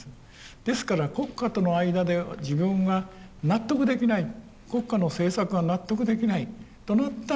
ですから国家との間で自分が納得できない国家の政策が納得できないとなったらいろんな手がありますね。